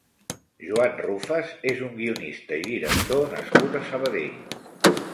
Joan Rufas és un guionista i director nascut a Sabadell.